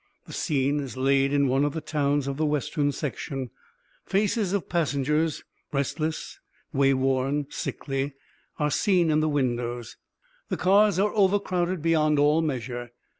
The scene is laid in one of the towns of the Western section. Faces of passengers, restless, way worn, sickly, are seen in the windows. The cars are over crowded beyond all measure.